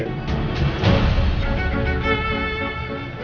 tapi pada saat itu